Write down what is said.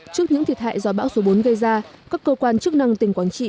trước những thiệt hại do bão số bốn gây ra các cơ quan chức năng tỉnh quảng trị